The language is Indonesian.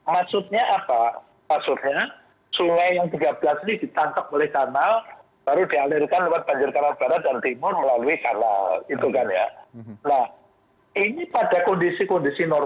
masyarakat harus bertanggung jawab juga terhadap banjir